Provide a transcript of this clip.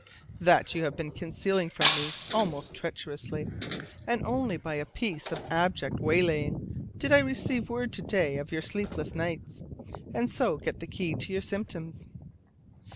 That you have been concealing from me almost treacherously: and only by a piece of abject waylaying did I receive word to day of your sleepless nights, and so get the key to your symptoms.